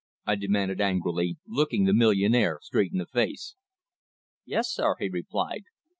I demanded angrily, looking the millionaire straight in the face. "Yes, sir," he replied.